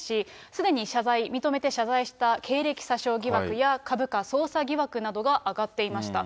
すでに謝罪、認めて謝罪した経歴詐称疑惑や、株価操作疑惑などが上がっていました。